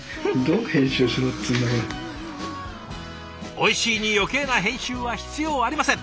おいしいに余計な編集は必要ありません。